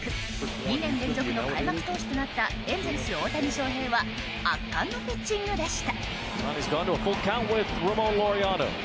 ２年連続の開幕投手となったエンゼルス、大谷翔平は圧巻のピッチングでした。